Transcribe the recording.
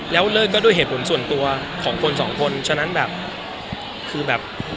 แล้วเลิกก็ด้วยเหตุผลส่วนตัวของคนสองคนฉะนั้นแบบคือแบบ